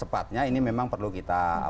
tepatnya ini memang perlu kita